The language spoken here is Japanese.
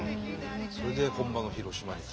それで本場の広島に来て。